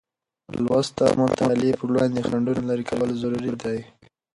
لوست او مطالعې پر وړاندې خنډونه لېرې کول ضروري دی.